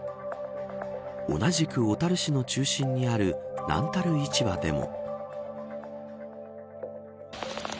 同じく小樽市の中心にある南樽市場でも。